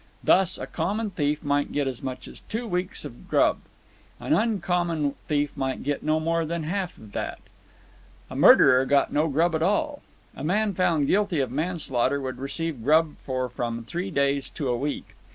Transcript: Thus, a common thief might get as much as two weeks' grub; an uncommon thief might get no more than half of that. A murderer got no grub at all. A man found guilty of manslaughter would receive grub for from three days to a week.